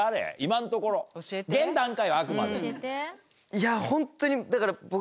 いやホントにだから僕。